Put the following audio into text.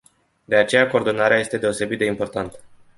De aceea coordonarea este deosebit de importantă.